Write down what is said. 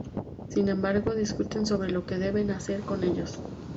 Sin embargo, discuten sobre lo que deben hacer con ellos.